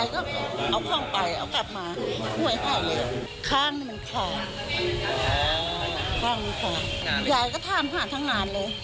ถามทางในทั่วหมดแล้วก็ไปถามหาทางในนู้น